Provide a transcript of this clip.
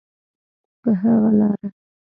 په هغه لاره.